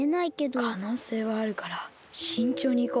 かのうせいはあるからしんちょうにいこう。